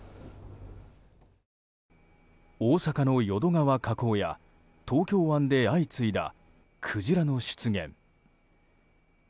大阪の淀川河口や東京湾で相次いだクジラの出現。